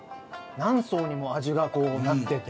何層にも味がなってて。